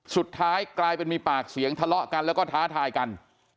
สุดท้ายกลายเป็นมีปากเสียงทะเลาะกันแล้วก็ท้าทายกัน